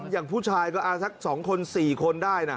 อย่างผู้ชายก็สัก๒คน๔คนได้นะ